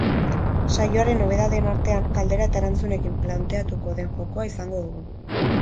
Saioaren nobedadeen artean, galdera eta erantzunekin planteatuko den jokoa izango dugu.